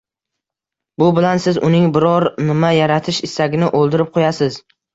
Bu bilan siz uning biron nima yaratish istagini “o‘ldirib” qo‘yasiz.